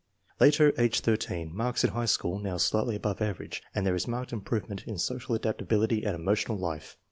Later, age 13. Marks in high school now slightly above average, and there is marked improvement in social adaptability and emotional life.